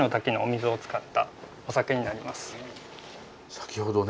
先ほどね